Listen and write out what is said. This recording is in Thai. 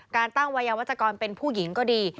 การตั้งวัยวัชกรเป็นผู้หญิงก็ดี